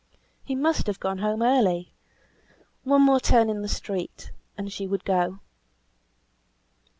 He must have gone home early; one more turn in the street, and she would go.